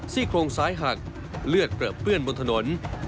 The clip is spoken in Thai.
โครงซ้ายหักเลือดเปลือเปื้อนบนถนน